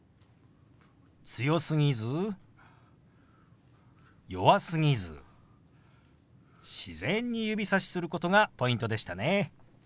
強すぎず弱すぎず自然に指さしすることがポイントでしたね。